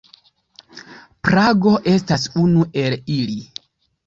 Prago estas unu el ili.